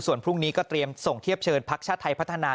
ส่วนพรุ่งนี้ก็เตรียมส่งเทียบเชิญพักชาติไทยพัฒนา